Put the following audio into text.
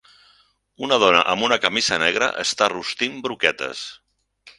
Una dona amb una camisa negra està rostint broquetes.